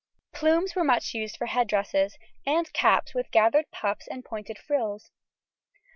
Plumes were much used for head dresses, and caps with gathered puffs and pointed frills.